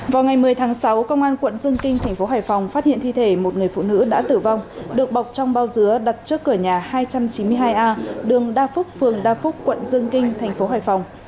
vào ngày một mươi tháng sáu công an quận dương kinh thành phố hải phòng phát hiện thi thể một người phụ nữ đã tử vong được bọc trong bao dứa đặt trước cửa nhà hai trăm chín mươi hai a đường đa phúc phường đa phúc quận dương kinh thành phố hải phòng